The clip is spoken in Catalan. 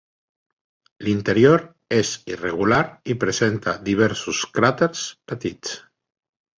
L'interior és irregular i presenta diversos cràters petits.